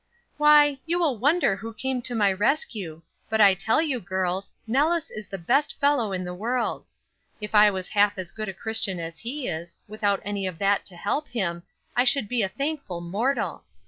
"Why, you will wonder who came to my rescue; but I tell you, girls, Nellis is the best fellow in the world. If I was half as good a Christian as he is, without any of that to help him, I should be a thankful mortal.